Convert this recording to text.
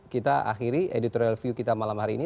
kita akhiri editorial view kita malam hari ini